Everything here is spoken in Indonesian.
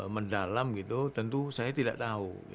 mendalam gitu tentu saya tidak tahu